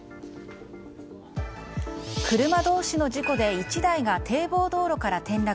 車同士の事故で１台が堤防道路から転落。